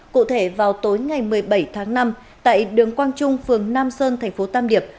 cụ thể vào tối ngày một mươi bảy tháng năm tại đường quang trung phường nam sơn thành phố tam điệp